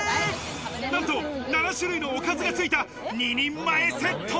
なんと７種類のおかずがついた２人前セット。